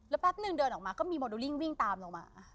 แป๊บนึงเดินออกมาก็มีโมเดลลิ่งวิ่งตามลงมา